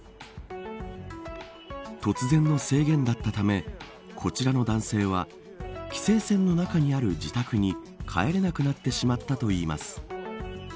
突然の制限だったためこちらの男性は規制線の中にある自宅に帰れなくなってしまったといいます。